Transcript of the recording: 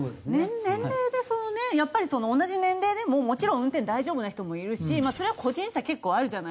年齢でそのねやっぱり同じ年齢でももちろん運転大丈夫な人もいるしそれは個人差結構あるじゃないですか。